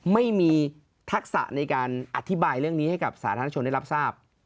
ไม่มีทักษะในการอธิบายเรื่องนี้ให้กับสาธารณชนได้รับทราบ